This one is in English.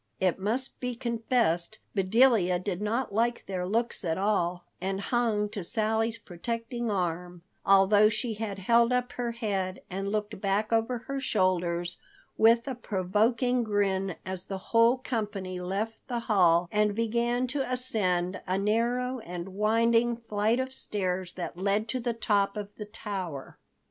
It must be confessed, Bedelia did not like their looks at all and hung to Sally's protecting arm, although she had held up her head and looked back over her shoulders with a provoking grin as the whole company left the hall and began to ascend a narrow and winding flight of stairs that led to the top of the tower.